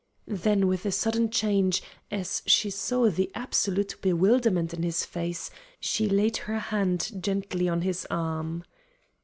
Then with a sudden change, as she saw the absolute bewilderment in his face, she laid her hand gently on his arm.